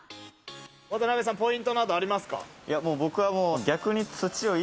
渡邊さん、ポイントなどありますか？